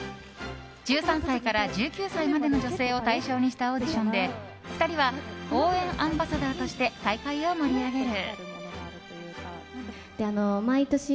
１３歳から１９歳までの女性を対象にしたオーディションで２人は応援アンバサダーとして大会を盛り上げる。